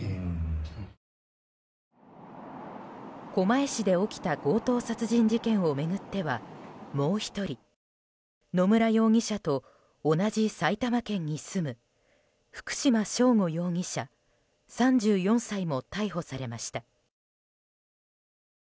狛江市で起きた強盗殺人事件を巡ってはもう１人野村容疑者と同じ埼玉県に住む福島聖悟容疑者、３４歳も逮捕されました。